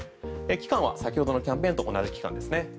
期間は先ほどのキャンペーンと同じ期間ですね。